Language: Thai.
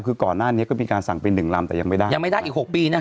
คือก่อนหน้านี้ก็มีการสั่งไปหนึ่งลำแต่ยังไม่ได้ยังไม่ได้อีก๖ปีนะฮะ